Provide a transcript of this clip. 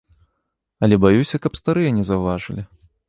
Але баюся, каб старыя не заўважылі.